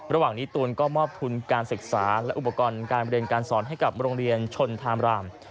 ระหว่างนี้ตูนก็มอบทุนการศึกษาและอุปกรณ์การเรียนการสอนให้กับโรงเรียนชนทามราม